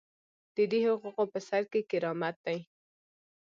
د دې حقوقو په سر کې کرامت دی.